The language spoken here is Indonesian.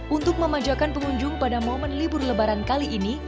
untuk memanjakan pengunjung pada momen libur lebaran kali ini